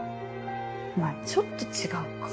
まあちょっと違うか。